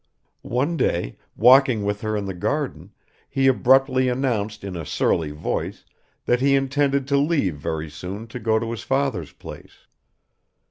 One day, walking with her in the garden, he abruptly announced in a surly voice that he intended to leave very soon to go to his father's place